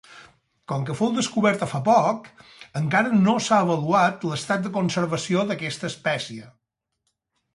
Com que fou descoberta fa poc, encara no s'ha avaluat l'estat de conservació d'aquesta espècie.